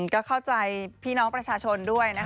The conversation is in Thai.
ก็เข้าใจพี่น้องประชาชน่ะครับ